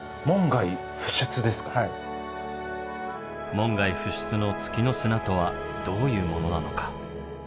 門外不出の月の砂とはどういうものなのか？